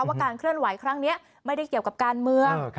ว่าการเคลื่อนไหวครั้งนี้ไม่ได้เกี่ยวกับการเมือง